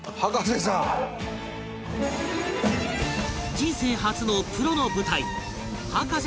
人生初のプロの舞台葉加瀬